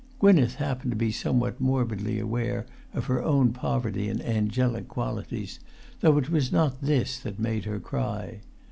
Gwynneth happened to be somewhat morbidly aware of her own poverty in angelic qualities, though it was not this that made her cry.